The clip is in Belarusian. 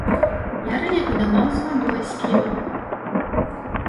Я раней падымаў з вадой, з півам.